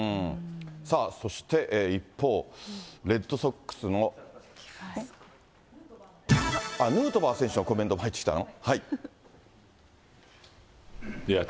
さあそして、一方、レッドソックスの、あっ、ヌートバー選手のコメントが入ってきたの？